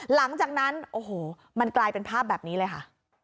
หลังจากนั้นโอ้โหมันกลายเป็นภาพแบบนี้เลยค่ะ